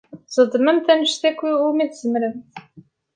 Tzeɛḍemt anect akk umi tzemremt.